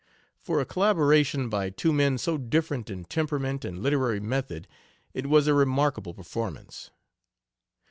For a collaboration by two men so different in temperament and literary method it was a remarkable performance.